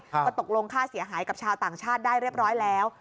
ก็ตกลงค่าเสียหายกับชาวต่างชาติได้เรียบร้อยแล้ว